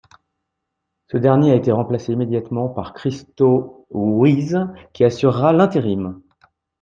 Ce dernier a été remplacé immédiatement par Christo Wiese qui assurera l'intérim.